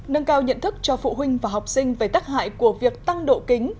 nâng cao nhận thức cho phụ huynh và học sinh về tác hại của việc tăng độ kính